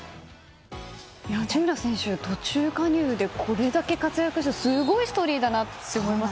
八村選手、途中加入でこれだけ活躍したらすごいストーリーだなと思います。